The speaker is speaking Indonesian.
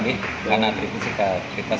karena atribut juga tidak ada